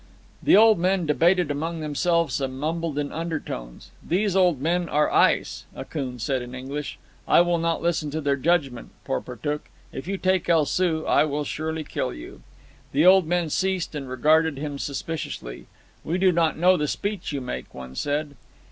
The old men debated among themselves and mumbled in undertones. "These old men are ice," Akoon said in English. "I will not listen to their judgment, Porportuk. If you take El Soo, I will surely kill you." The old men ceased and regarded him suspiciously. "We do not know the speech you make," one said.